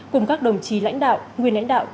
cùng các đồng chí lãnh đạo nguyên lãnh đạo